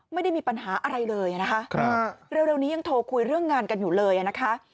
ไม่ได้มีปัญหาอะไรเลยนะคะเร็วนี้ยังโทรคุยเรื่องงานกันอยู่เลยนะคะ